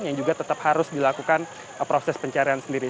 yang juga tetap harus dilakukan proses pencarian sendiri